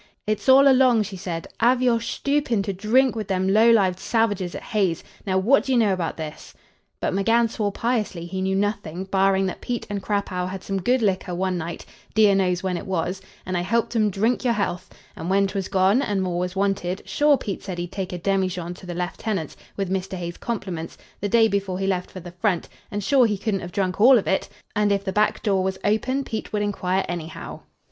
"It's all along," she said, "av your shtoopin' to dhrink wid them low lived salvages at Hay's. Now, what d'ye know about this?" But McGann swore piously he knew nothing "barrin' that Pete and Crapaud had some good liquor one night dear knows when it was an' I helped 'em dhrink your health, an' when 'twas gone, and more was wanted, sure Pete said he'd taken a demijohn to the lieutenant's, with Mr. Hay's compliments, the day before he left for the front, and sure he couldn't have drunk all av it, and if the back dure was open Pete would inquire anyhow."